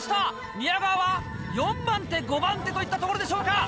宮川は４番手５番手といったところでしょうか。